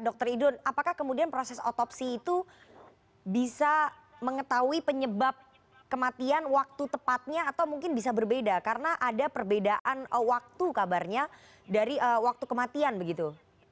dr idun apakah kemudian proses otopsi itu bisa mengetahui penyebab kematian waktu tepatnya atau mungkin bisa berbeda karena ada perbedaan waktu kabarnya dari waktu kematian begitu